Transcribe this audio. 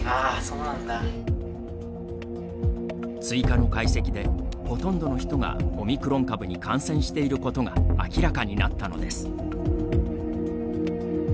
追加の解析でほとんどの人がオミクロン株に感染していることが明らかになったのです。